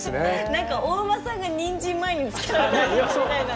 何かお馬さんがにんじん前につけられたみたいな。